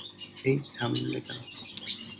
হেই, থামলে কেন?